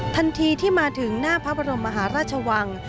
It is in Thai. ทันทีที่มาถึงหน้าพระบรมมหาราชวัง